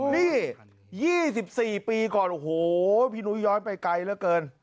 นี่ยี่สิบสี่ปีก่อนโอ้โหพี่หนูย้อนไปไกลแล้วเกิน